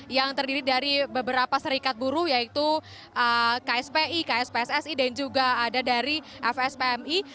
yang terdiri dari beberapa serikat buruh yaitu kspi kspssi dan juga ada dari fspmi